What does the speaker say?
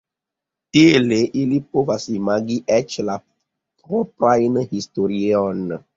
Tiele ili povas imagi eĉ la proprajn historiojn.